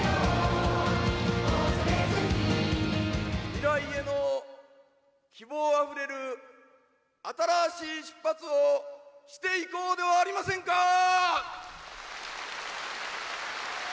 未来への希望あふれる新しい出発をしていこうではありませんかー！